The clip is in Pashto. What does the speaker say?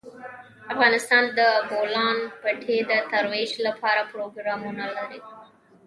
افغانستان د د بولان پټي د ترویج لپاره پروګرامونه لري.